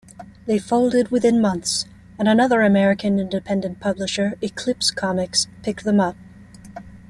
They folded within months, and another American independent publisher, Eclipse Comics, picked them up.